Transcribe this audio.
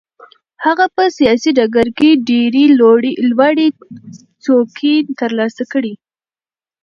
هغه په سیاسي ډګر کې ډېرې لوړې څوکې ترلاسه کړې.